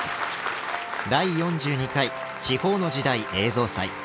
第４２回「地方の時代」映像祭。